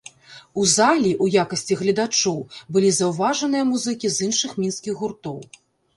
У залі ў якасці гледачоў былі заўважаныя музыкі з іншых мінскіх гуртоў.